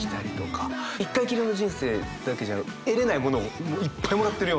一回きりの人生だけじゃ得れないものをいっぱいもらってるような。